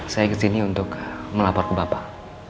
saya ke sini untuk melapor ke bapak